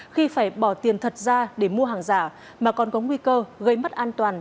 khi phải bỏ tiền thật ra để mua hàng giả mà còn có nguy cơ gây mất an toàn